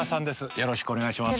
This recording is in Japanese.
よろしくお願いします。